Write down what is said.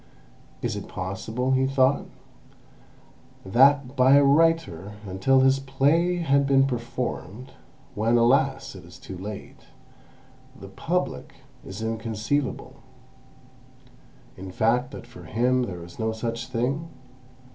"Is it possible," he thought, "that, by a writer, until his play has been performed (when, alas! it is too late), 'the Public' is inconceivable—in fact that for him there is no such thing?